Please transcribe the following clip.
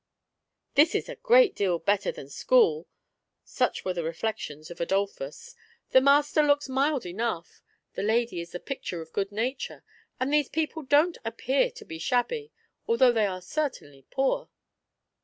" This is a great deal better than school," — such were the reflections of Adolphus. "The master looks mild enough, the lady is the picture of good nature, and these people don't appear to be shabby, although they are certainly poor."